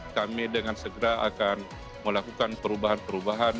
kami dengan segera akan melakukan perubahan perubahan